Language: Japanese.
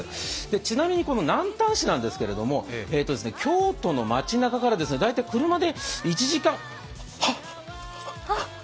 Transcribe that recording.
ちなみに南丹市なんですけれども京都の街なかから大体車で１時間ハッ！！